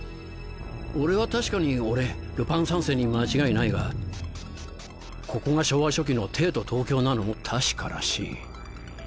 俺は確かに俺ルパン三世に間違いないがここが昭和初期の帝都東京なのも確からしい